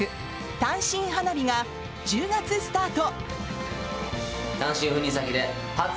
「単身花日」が１０月スタート！